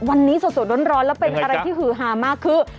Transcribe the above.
วันนี้สดร้อนแล้วเป็นอะไรที่หือหามากคือ